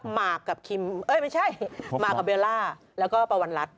หมากกับคิมเอ้ยไม่ใช่มากกับเบลล่าแล้วก็ปวันรัฐ